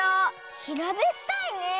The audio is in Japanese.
ひらべったいねえ。